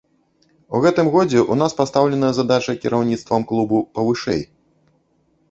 У гэтым годзе ў нас пастаўленая задача кіраўніцтвам клубу павышэй.